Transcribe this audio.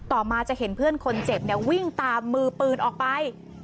ต่อมาจะเห็นเพื่อนคนเจ็บเนี่ยวิ่งตามมือปืนออกไป